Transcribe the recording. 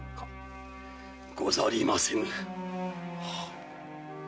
ござりませぬ。